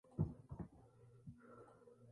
Se pudieron recuperar las campanas.